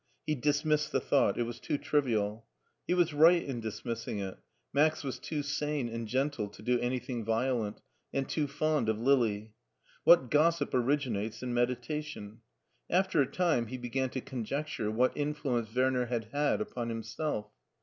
He dismissed the thought; it was too trivial. He was right in dismissing it ; Max was too sane and gentle to do zayiJiing violent, and too fond of Lili. What gossip originates in meditation! After a time he began to conjecture what influence Werner had had upon himself.